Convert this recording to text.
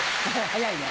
早いね。